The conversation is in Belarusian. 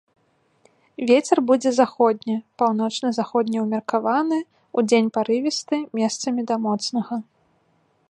Вецер будзе заходні, паўночна-заходні ўмеркаваны, удзень парывісты, месцамі да моцнага.